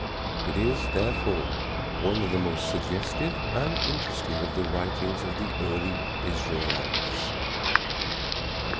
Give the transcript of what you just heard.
It is, therefore, one of the most suggestive and interesting of the writings of the early Israelites.